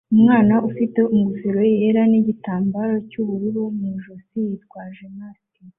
Umwana ufite ingofero yera nigitambaro cyubururu mu ijosi yitwaje mask